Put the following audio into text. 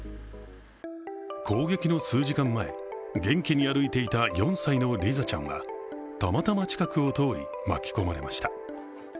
攻撃の数時間前、元気に歩いていた４歳のリザちゃんはたまたま近くを通り巻き込まれました。